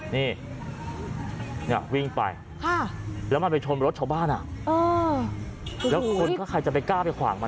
นี่วิ่งไปแล้วมันไปชนรถชาวบ้านแล้วคนก็ใครจะไปกล้าไปขวางมัน